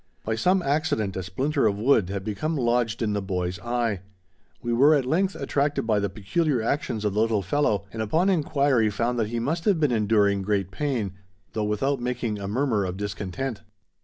By some accident a splinter of wood had become lodged in the boy's eye. We were at length attracted by the peculiar actions of the little fellow, and upon inquiry found that he must have been enduring great pain, though without making a murmur of discontent.